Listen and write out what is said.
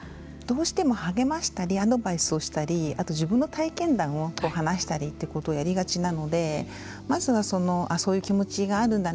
どうしても励ましたりアドバイスをしたりあと自分の体験談を話したりということをやりがちなのでまずはそういう気持ちがあるんだね